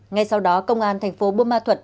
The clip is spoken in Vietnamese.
ngay sau đó công an tp bumatut